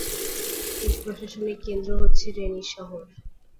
এর প্রশাসনিক কেন্দ্র হচ্ছে রেনি শহর।